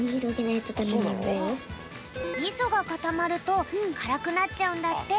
みそがかたまるとからくなっちゃうんだって。